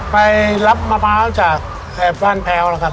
ไปรับมะพร้าวจากแถบบ้านแพ้วนะครับ